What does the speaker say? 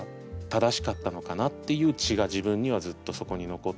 正しかったのかなっていう血が自分にはずっとそこに残っていて。